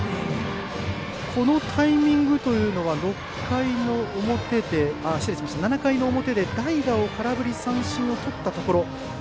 このタイミングというのは７回の表で代打を空振り三振をとったところ。